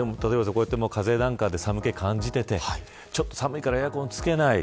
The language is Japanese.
こうやって風邪なんかで寒気を感じていてちょっと寒いからエアコンつけない。